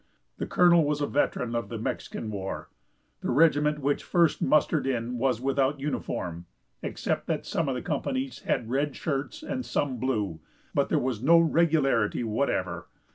The colonel was a veteran of the Mexican War. The regiment when first mustered in was without uniform, except that some of the companies had red shirts and some blue, but there was no regularity whatever.